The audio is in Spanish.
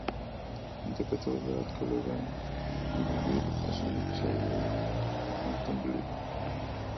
Interpretó a la arqueóloga Ginny Will en un episodio de "Quantum Leap".